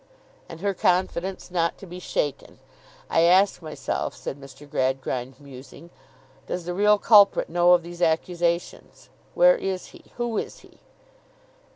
'And her confidence not to be shaken! I ask myself,' said Mr. Gradgrind, musing, 'does the real culprit know of these accusations? Where is he? Who is he?